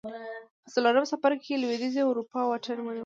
په څلورم څپرکي کې لوېدیځې اروپا واټن ونیو